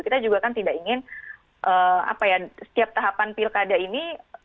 kita juga kan tidak ingin setiap tahapan pilkada ini